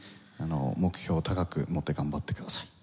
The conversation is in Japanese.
目標を高く持って頑張ってください。